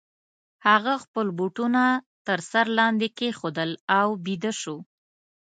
هغه خپل بوټونه تر سر لاندي کښېښودل او بیده سو.